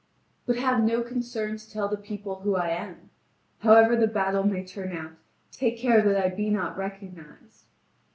But have no concern to tell the people who I am! However the battle may turn out, take care that I be not recognised!"